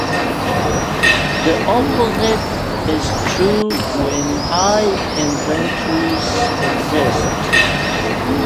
The opposite is true when high inventories exist.